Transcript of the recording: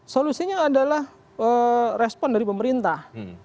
solusinya adalah respon dari pemerintah